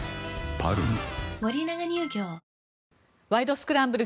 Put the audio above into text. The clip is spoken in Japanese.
スクランブル」